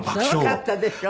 すごかったでしょ？